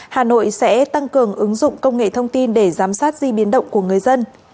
hà nội sẽ tăng cường ứng dụng công nghệ thông tin để giám sát di biến động của người dân